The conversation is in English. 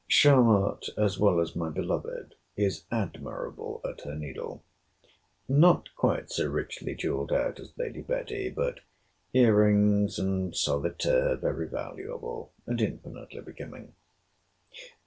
Charlotte as well as my beloved is admirable at her needle. Not quite so richly jewell'd out as Lady Betty; but ear rings and solitaire very valuable, and infinitely becoming.